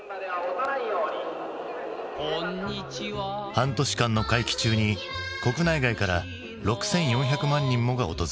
半年間の会期中に国内外から６，４００万人もが訪れた。